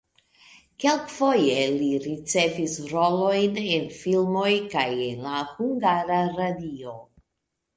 Kelkfoje li ricevis rolojn en filmoj kaj en la Hungara Radio.